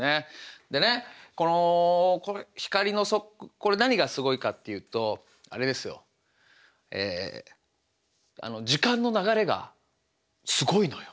でねこの光のこれ何がすごいかっていうとあれですよえ時間の流れがすごいのよ。